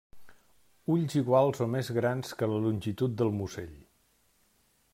Ulls iguals o més grans que la longitud del musell.